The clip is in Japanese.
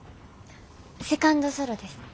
セカンド・ソロです。